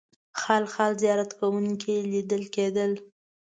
خال خال زیارت کوونکي لیدل کېدل.